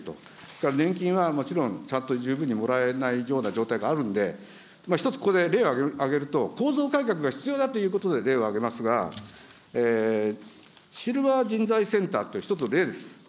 それから年金はもちろんちゃんと十分にもらえないような状態があるんで、一つ、ここで例を挙げると、構造改革が必要だということで、例を挙げますが、シルバー人材センターって一つの例です。